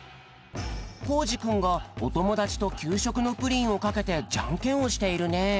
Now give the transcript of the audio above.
コージくんがおともだちときゅうしょくのプリンをかけてじゃんけんをしているね。